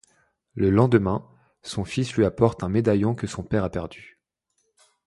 Le lendemain, son fils lui apporte un médaillon que son père a perdu.